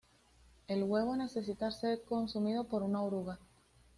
El huevo necesita ser consumido por una oruga.